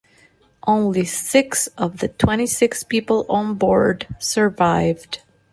Only six of the twenty-six people on board survived.